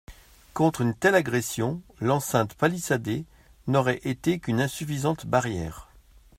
Contre une telle agression, l’enceinte palissadée n’aurait été qu’une insuffisante barrière.